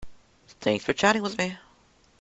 Thanks for chatting with me.